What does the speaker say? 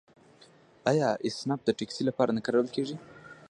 آیا اسنپ د ټکسي لپاره نه کارول کیږي؟